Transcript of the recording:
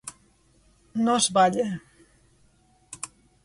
No es balla.